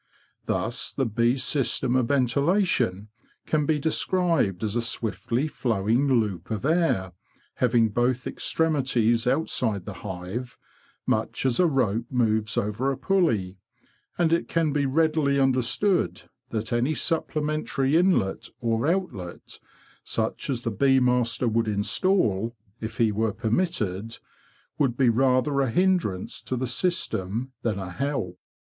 Thus the bees' system of ventilation can be described as a swiftly flowing loop of air, having both extremities outside the hive, much as a rope moves over a pulley, and it can be readily under stood that any supplementary inlet or outlet—such as the bee master would instal, if he were permitted —would be rather a hindrance to the system than a help.